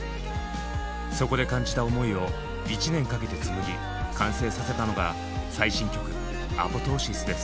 そこで感じた思いを１年かけて紡ぎ完成させたのが最新曲「アポトーシス」です。